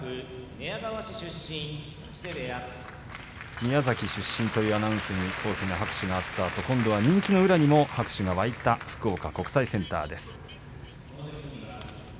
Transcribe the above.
宮崎出身というアナウンスに大きな拍手があったあと人気の宇良にも拍手が沸いた福岡国際センターです。